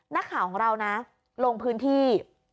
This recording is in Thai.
นักข่าวของเรานะลงพื้นที่